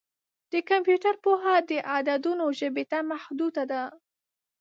د کمپیوټر پوهه د عددونو ژبې ته محدوده ده.